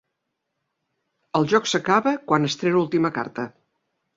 El joc s'acaba quan es treu l'última carta.